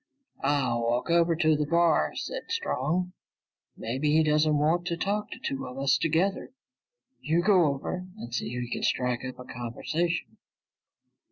"I'll walk over to the bar," said Strong. "Maybe he doesn't want to talk to two of us together. You go over and see if you can strike up a conversation."